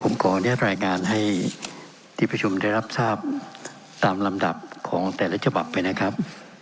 ผมขออนุญาตรายงานให้ที่ประชุมได้รับทราบตามลำดับของแต่ละฉบับไปนะครับ